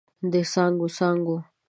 څانګو، څانګو